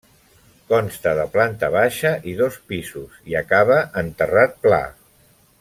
Consta de planta baixa i dos pisos i acaba en terrat pla.